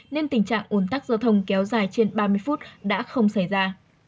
nên tình trạng ồn tắc giao thông kéo dài trên ba mươi phút đã không xảy ra